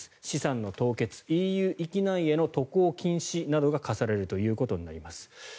資産の凍結ＥＵ域内への渡航禁止などが科されるということになります。